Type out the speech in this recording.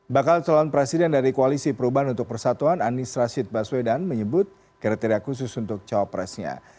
bakal calon presiden dari koalisi perubahan untuk persatuan anies rashid baswedan menyebut kriteria khusus untuk cawapresnya